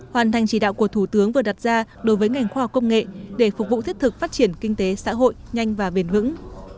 hoàn thành chỉ đạo của thủ tướng vừa đặt ra đối với ngành khoa học công nghệ để phục vụ thiết thực phát triển kinh tế xã hội nhanh và bền vững